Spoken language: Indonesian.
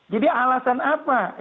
jadi alasan apa